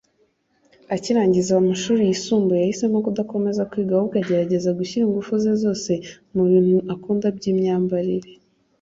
Akirangiza amashuri yisumbuye yahisemo kudakomeza kwiga ahubwo agerageza gushyira ingufu ze zose mu bintu akunda by’imyambarire